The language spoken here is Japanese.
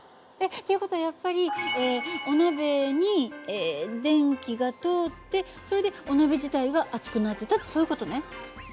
っていう事はやっぱりお鍋に電気が通ってそれでお鍋自体が熱くなってたってそういう事ね。